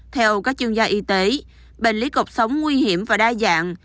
theo các chuyên gia y tế bệnh lý cục sống nguy hiểm và đa dạng